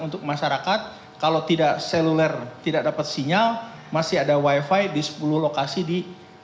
untuk masyarakat kalau tidak seluler tidak dapat sinyal masih ada wifi di sepuluh lokasi di